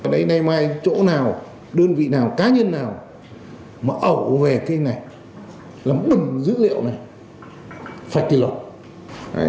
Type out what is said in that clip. đây nay mai chỗ nào đơn vị nào cá nhân nào mà ẩu về cái này làm bừng dữ liệu này phạch thì lộn